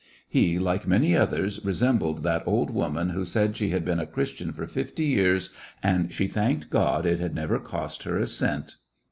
He, like many others, resembled that old woman who said she had been a Christian for fifty yearS; and she thanked Gtod it had never cost her a cent